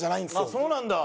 あっそうなんだ。